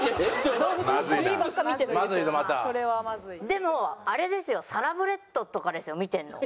でもあれですよサラブレッドとかですよ見てるの。